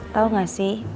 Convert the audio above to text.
tau gak sih